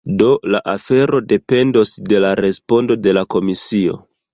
Do la afero dependos de la respondo de la komisio.